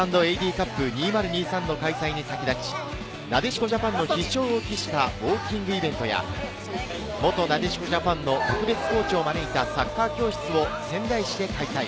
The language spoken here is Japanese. カップ２０２３の開催に先立ち、なでしこジャパンの必勝を期したウォーキングイベントや元なでしこジャパンの特別コーチを招いたサッカー教室を仙台市で開催。